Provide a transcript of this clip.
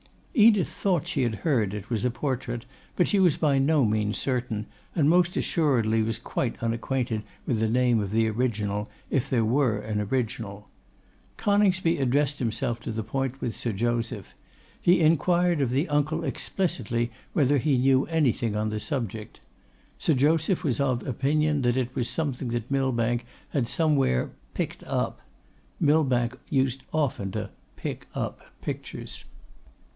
Edith thought she had heard it was a portrait, but she was by no means certain, and most assuredly was quite unacquainted with the name of the original, if there were an original. Coningsby addressed himself to the point with Sir Joseph. He inquired of the uncle explicitly whether he knew anything on the subject. Sir Joseph was of opinion that it was something that Millbank had somewhere 'picked up.' Millbank used often to 'pick up' pictures.